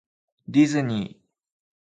ディズニー